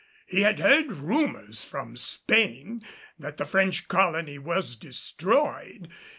He had heard rumors from Spain that the French colony was destroyed.